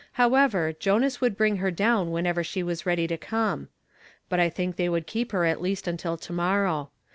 However, Jonas would bring her down whenever she was ready to come ; but I think they woukl keep lier at least until to morrow.